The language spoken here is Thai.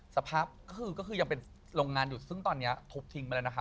สภาพก็คือก็คือยังเป็นโรงงานอยู่ซึ่งตอนนี้ทุบทิ้งไปแล้วนะคะ